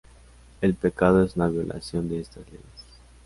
El pecado es una violación de estas leyes.